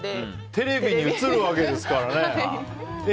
テレビに映るわけですからね。